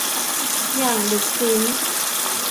อย่างลึกซึ้ง